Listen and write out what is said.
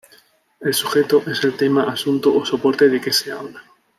El sujeto es el tema, asunto o soporte de que se habla.